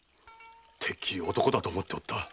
てっきり男だと思っておった。